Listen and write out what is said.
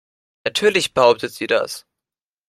Natürlich behauptet sie das.